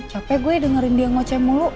capek gue dengerin dia ngoce mulu